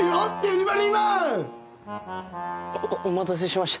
おお待たせしました。